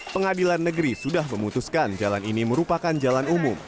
pengadilan negeri sudah memutuskan jalan ini merupakan jalan umum